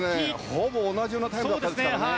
ほぼ同じようなタイムでしたからね。